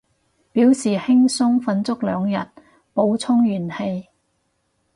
表示輕鬆瞓足兩日，補充元氣